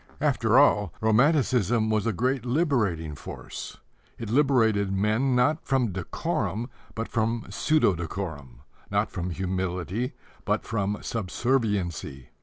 After all, romanticism was a great liberating force. It liberated men, not from decorum, but from pseudo decorum not from humility, but from subserviency.